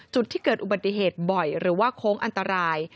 จุดที่เกิดอุบัติเหตุบ่อยหรือว่าโค้งอันตราย